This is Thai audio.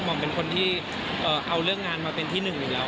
หมอมเป็นคนที่เอาเรื่องงานมาเป็นที่หนึ่งอยู่แล้ว